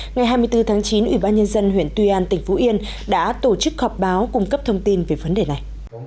ngày hai mươi bốn tháng chín ủy ban nhân dân huyện tuy an tỉnh phú yên đã tổ chức họp báo cung cấp thông tin về vấn đề này